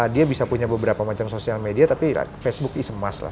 dia bisa punya beberapa macam sosial media tapi facebook is emas lah